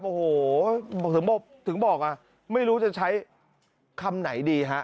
โอ้โหถึงบอกไม่รู้จะใช้คำไหนดีฮะ